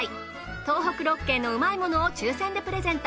東北６県のうまいものを抽選でプレゼント。